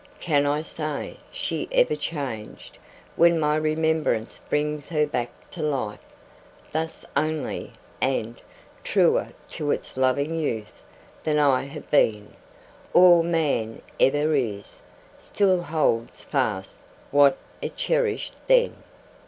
Can I say she ever changed, when my remembrance brings her back to life, thus only; and, truer to its loving youth than I have been, or man ever is, still holds fast what it cherished then?